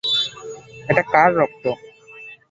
এটা কার রক্ত?